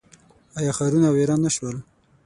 آیا ښارونه ویران نه شول؟